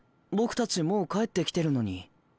僕たちもう帰ってきてるのに。